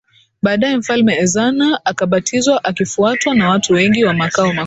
Baadaye mfalme Ezana akabatizwa akifuatwa na watu wengi wa makao makuu